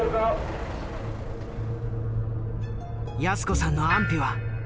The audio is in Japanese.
泰子さんの安否は？